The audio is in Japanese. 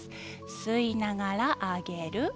吸いながら上げる。